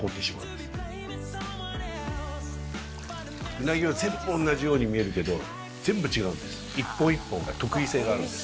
うなぎは全部同じように見えるけど全部違うんです一本一本が特異性があるんです